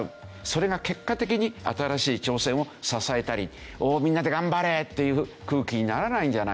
それが結果的に新しい挑戦を支えたり「おおみんなで頑張れ」っていう空気にならないんじゃないか。